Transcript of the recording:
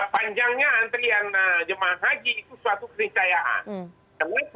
panjangnya antrian jemaah haji itu suatu percayaan kenapa karena haji dilaksanakan tidak di arab saudi